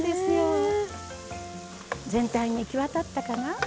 全体に行き渡ったかな？